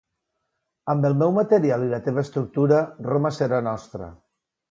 Amb el meu material i la teva estructura, Roma serà nostra.